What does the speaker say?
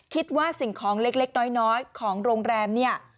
คิดว่าสิ่งของเล็กน้อยของโรงแรม